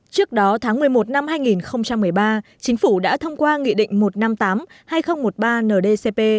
trước đó tháng một mươi một năm hai nghìn một mươi ba chính phủ đã thông qua nghị định một trăm năm mươi tám hai nghìn một mươi ba ndcp